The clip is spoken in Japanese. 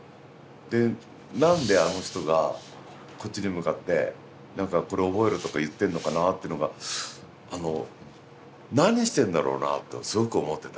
何であの人がこっちに向かって「これ覚えろ」とか言ってんのかなっていうのが何してんだろうなってすごく思ってた。